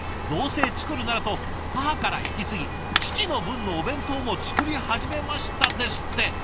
どうせ作るならと母から引き継ぎ父の分のお弁当も作り始めました」ですって。